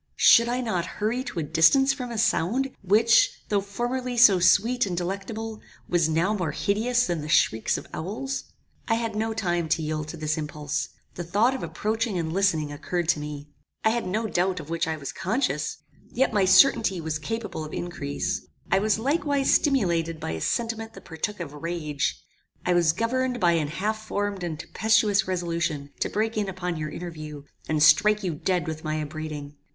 Should I not hurry to a distance from a sound, which, though formerly so sweet and delectable, was now more hideous than the shrieks of owls? "I had no time to yield to this impulse. The thought of approaching and listening occurred to me. I had no doubt of which I was conscious. Yet my certainty was capable of increase. I was likewise stimulated by a sentiment that partook of rage. I was governed by an half formed and tempestuous resolution to break in upon your interview, and strike you dead with my upbraiding.